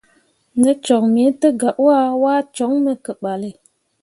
Ne cok me te gah wah, waa coŋ me ke balle.